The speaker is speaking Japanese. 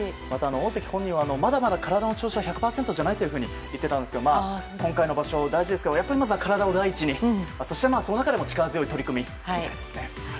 大関本人はまだまだ体の調子は１００％じゃないと言っていたんですけど今回の場所大事ですけどやっぱり体を第一にそしてその中でも力強い取組ですね。